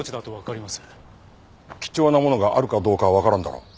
貴重なものがあるかどうかはわからんだろ。